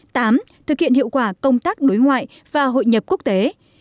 tám thực hiện hiệu quả công tác đối ngoại và hội nhập quốc tế